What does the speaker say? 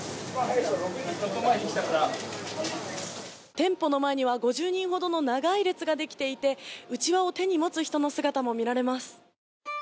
店舗の前には５０人ほどの長い列ができていてうちわを手に持つ人の姿も見られます。